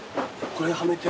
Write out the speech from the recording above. これはめて？